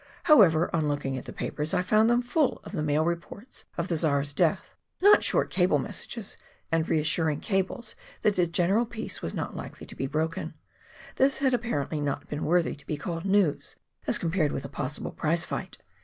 However, on looking at the papers, I found them full of the mail reports of the Czar's death — not short cable messages — and reassuring cables that the general peace was not likely to be broken. This had apparently not been worthy to be called "news," as compared with a possible prize fight